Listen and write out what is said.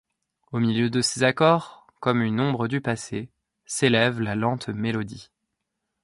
Au milieu de ces accords, comme une ombre du passé, s'élève la lente mélodie.